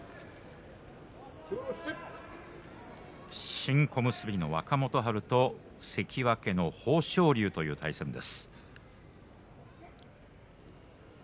新小結の若元春と関脇豊昇龍と対戦です。